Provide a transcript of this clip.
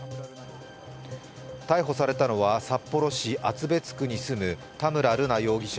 逮捕されたのは札幌市厚別区に住む田村瑠奈容疑者